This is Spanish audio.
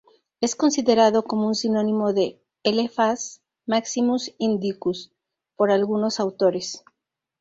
Es considerado como un sinónimo de "Elephas maximus indicus" por algunos autores.